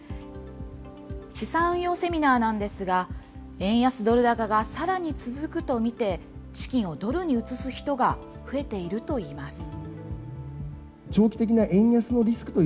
資産運用セミナーなんですが、円安ドル高がさらに続くと見て、資金をドルに移す人が増えているといいます。